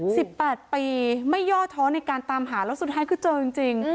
สิบแปดปีไม่ย่อท้อในการตามหาแล้วสุดท้ายคือเจอจริงจริง